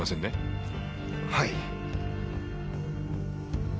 はい。